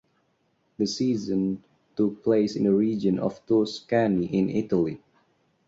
The season took place in the region of Tuscany in Italy.